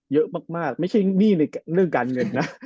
เยอะมากไม่ใช่หนี้ในเรื่องการเงินนะ